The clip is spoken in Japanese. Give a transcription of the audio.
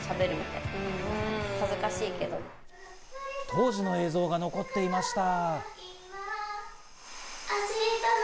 当時の映像が残っていました。